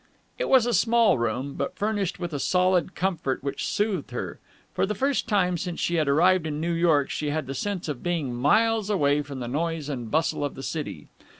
It was a small room, but furnished with a solid comfort which soothed her. For the first time since she had arrived in New York, she had the sense of being miles away from the noise and bustle of the city.